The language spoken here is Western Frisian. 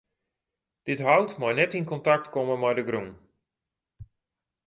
Dit hout mei net yn kontakt komme mei de grûn.